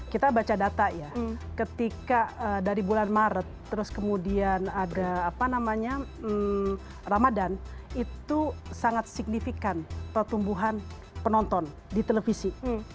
kita baca data ya ketika dari bulan maret terus kemudian ada apa namanya ramadan itu sangat signifikan pertumbuhan penonton di televisi